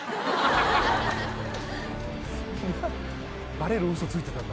バレる嘘ついてたんだ。